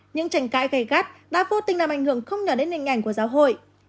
những tranh cãi gây gắt đã vô tình làm ảnh hưởng không nhỏ đến hình ảnh của giáo hội